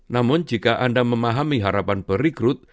namun jika anda memahami harapan perikrut